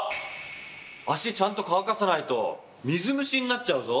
足ちゃんと乾かさないと水虫になっちゃうぞ！